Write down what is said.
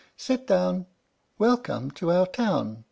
"Sit down. Welcome to our town.